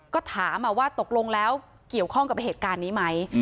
ก็ถามว่าตกลงแล้วเกี่ยวข้องกับเหตุการณ์นี้ไหม